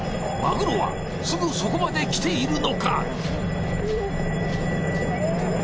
マグロはすぐそこまで来ているのか！？